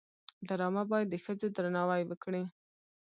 ډرامه باید د ښځو درناوی وکړي